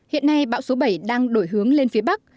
hiện nay bão số bảy đang đổi hướng lên phía bắc